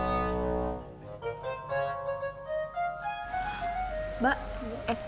terima kasih bu